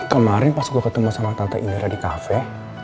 kemarin pas saya bertemu sama tante indira di kafe